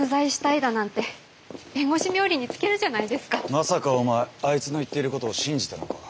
まさかお前あいつの言っていることを信じたのか？